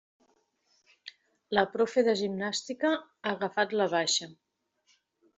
La profe de gimnàstica ha agafat la baixa.